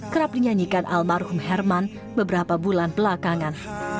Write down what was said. kerap dinyanyikan almarhum herman beberapa bulan belakangan